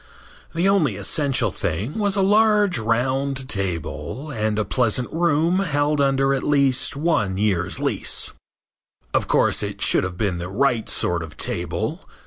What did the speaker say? The only essential thing was a large round table and a pleasant room held under at least one year's lease. Of course, it should have been the right sort of table.